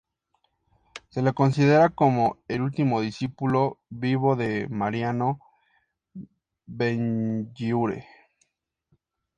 Se le considera como el último discípulo vivo de Mariano Benlliure.